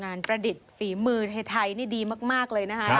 ประดิษฐ์ฝีมือไทยนี่ดีมากเลยนะคะ